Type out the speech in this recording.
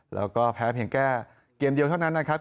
แล้วก็แพ้เพียงแค่เกมเดียวเท่านั้นนะครับ